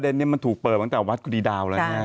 ประเด็นมันถูกเปิดตั้งแต่วัสตร์กรีดาว